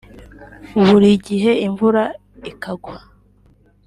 buri gihe imvura ikagwa